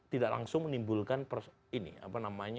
tidak langsung menimbulkan